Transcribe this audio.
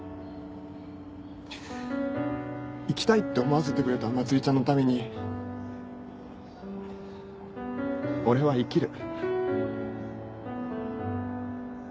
生きたいって思わせてくれた茉莉ちゃんのために俺は生きる。